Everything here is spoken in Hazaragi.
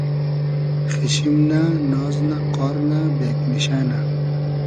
خیشیم نۂ ، ناز نۂ، قار نۂ ، بېگنیشۂ نۂ